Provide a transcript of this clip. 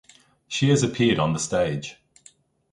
She has appeared on the stage.